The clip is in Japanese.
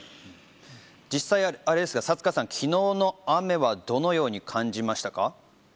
実際、佐塚さん、昨日の雨はどのように感じましたか？